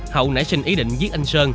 hậu nảy sinh ý định giết anh sơn